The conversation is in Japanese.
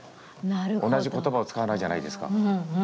同じ言葉を使わないじゃないですか。